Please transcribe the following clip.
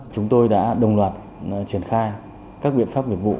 chúng tôi đã đồng loạt triển khai các biện pháp nghiệp vụ